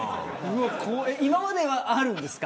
今まではあるんですか。